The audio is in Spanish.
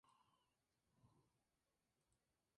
Es la mayor iglesia gótica de la ciudad.